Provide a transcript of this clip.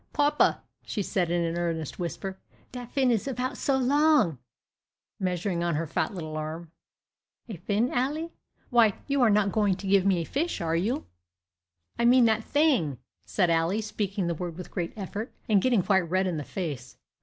"Papa," said she, in an earnest whisper, "that fin is about so long" measuring on her fat little arm. "A fin, Ally? Why, you are not going to give me a fish, are you?" "I mean that thing," said Ally, speaking the word with great effort, and getting quite red in the face.